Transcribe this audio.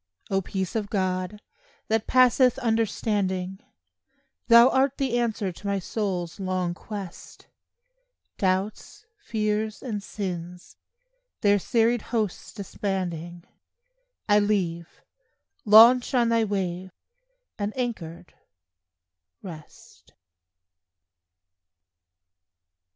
O peace of God, that passeth understanding, Thou art the answer to my soul's long quest; Doubts, fears and sins, their serried hosts disbanding, I leave, launch on thy wave, and anchored, rest.